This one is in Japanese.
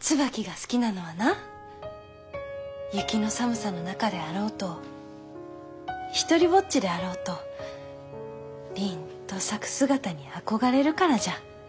椿が好きなのはな雪の寒さの中であろうと独りぼっちであろうとりんと咲く姿に憧れるからじゃ。